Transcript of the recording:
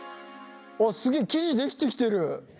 あっすげえ生地できてきてる。